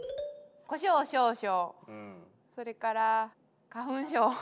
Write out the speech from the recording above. こしょう少々それから花粉症。